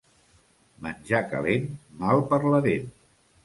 Menjar calent, mal per la dent.